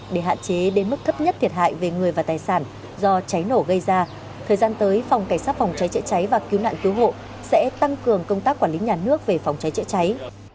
để hạn chế đến mức thấp nhất thiệt hại về người và tài sản do cháy nổ gây ra thời gian tới phòng cảnh sát phòng cháy chữa cháy và cứu nạn cứu hộ sẽ tăng cường công tác quản lý nhà nước về phòng cháy chữa cháy